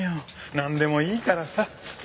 なんでもいいからさ。